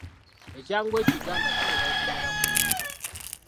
Ekyangwe ekiganda kitera okumera ku nsiko.